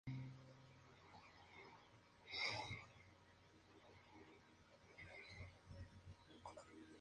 Nadie sabe cómo es posible que el edificio pasara de la mesa de dibujo.